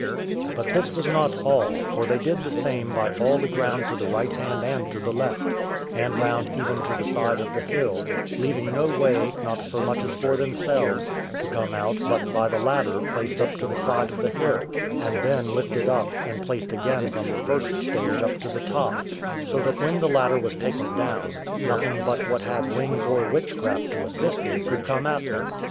But this was not all; for they did the same by all the ground to the right hand and to the left, and round even to the side of the hill, leaving no way, not so much as for themselves, to come out but by the ladder placed up to the side of the hill, and then lifted up, and placed again from the first stage up to the top: so that when the ladder was taken down, nothing but what had wings or witchcraft to assist it could come at them.